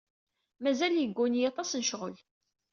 Mazal yegguni-iyi aṭas n ccɣel.